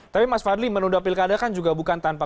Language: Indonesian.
tapi mas fadli menunda pilkada kan juga bukan tanpa